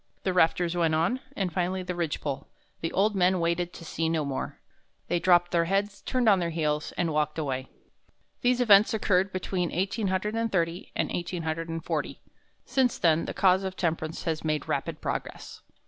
The rafters went on, and finally the ridge pole. The old men waited to see no more. They dropped their heads, turned on their heels, and walked away." These events occurred between 1830 and 1840. Since then the cause of temperance has made rapid progress.